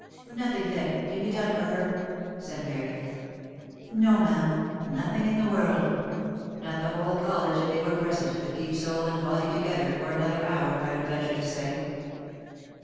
" Nothing, then, can be done for her?" said Mary. " No, ma'am — nothing in the world. Not the whole college, if they were present, could keep soul and body together for another hour, I would venture to say."